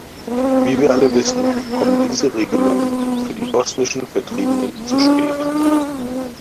Wie wir alle wissen, kommen diese Regelungen für die bosnischen Vertriebenen zu spät.